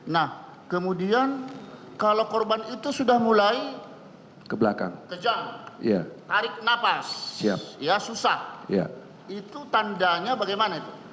nah kemudian kalau korban itu sudah mulai ke belakang kejang tarik napas susah itu tandanya bagaimana itu